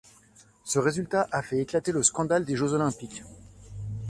Ce résultat a fait éclater le scandale des Jeux olympiques.